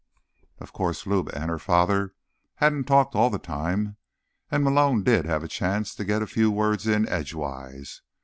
Of course, Luba and her father hadn't talked all the time, and Malone did have a chance to get a few words in edgewise.